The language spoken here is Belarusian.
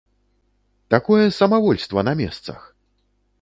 Такое самавольства на месцах!